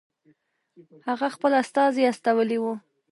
هغه خپل استازی استولی وو.